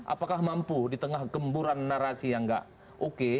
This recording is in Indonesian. apakah mampu di tengah gemburan narasi yang gak oke